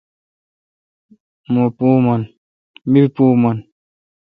می پو من۔